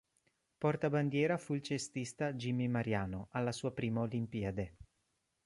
Portabandiera fu il cestista Jimmy Mariano, alla sua prima Olimpiade.